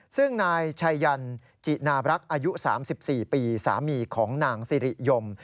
ซึ่งนายชัยยันจินาบรักษ์อายุ๓๔ปีสามีของนางสิริยม